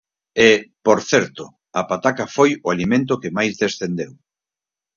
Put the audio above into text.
E, por certo, a pataca foi o alimento que máis descendeu.